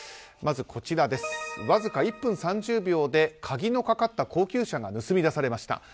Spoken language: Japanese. まず、わずか１分３０秒で鍵のかかった高級車が盗み出されました。